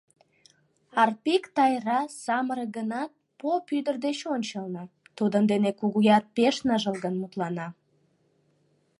Арпик Тайра самырык гынат, поп ӱдыр деч ончылно: тудын дене Кугуяр пеш ныжылгын мутлана...